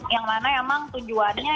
yang mana emang tujuannya